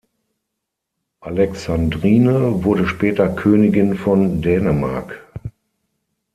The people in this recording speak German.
Alexandrine wurde später Königin von Dänemark.